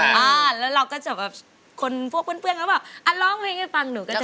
แล้วเราก็จะแบบคนพวกเพื่อนแล้วว่าลองเพลงให้ฟังหนูก็จะชอบ